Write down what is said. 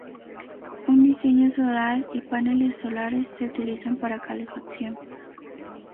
Un diseño solar y paneles solares se utilizan para calefacción.